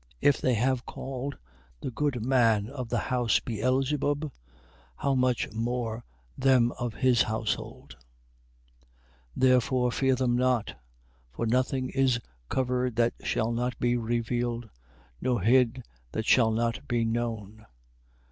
If they have called the good man of the house Beelzebub, how much more them of his household? 10:26. Therefore fear them not. For nothing is covered that shall not be revealed: nor hid, that shall not be known.